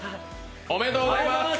おめでとうございます。